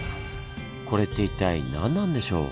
これって一体何なんでしょう？